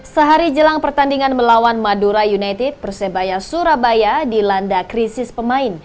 sehari jelang pertandingan melawan madura united persebaya surabaya dilanda krisis pemain